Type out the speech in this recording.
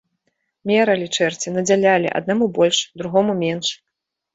Мералі, чэрці, надзялялі, аднаму больш, другому менш.